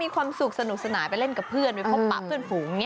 มีความสุขสนุกสนายไปเล่นกับเพื่อนเป็นแบบปดที่จะหุง